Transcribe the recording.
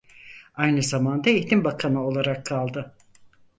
Aynı zamanda Eğitim Bakanı olarak kaldı.